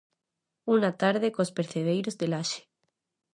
Unha tarde cos percebeiros de Laxe.